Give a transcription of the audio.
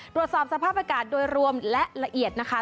ตรวจสอบสภาพอากาศโดยรวมและละเอียดนะคะ